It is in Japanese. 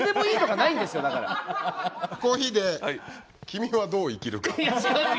コーヒーで「君はどう生きるか」。